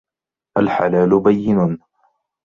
الْحَلَالُ بَيِّنٌ